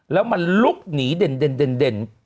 แล้วมันลุกหนีเด่น